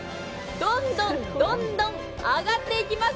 どんどん、どんどん上がっていきます。